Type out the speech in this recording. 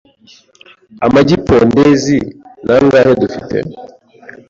amagi pondeze nangahe dufite